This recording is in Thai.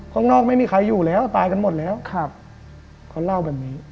ข้างนอกไม่มีใครอยู่แล้วตายกันหมดแล้วครับเขาเล่าแบบนี้